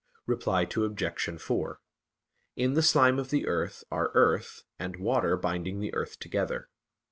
Reply Obj. 4: In the slime of the earth are earth, and water binding the earth together.